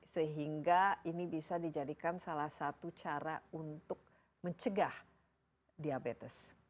sehingga ini bisa dijadikan salah satu cara untuk mencegah diabetes